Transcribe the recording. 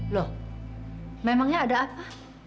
loh memangnya ada apa